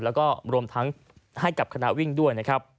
และรวมทั้งให้กับคณะวิ่งด้วย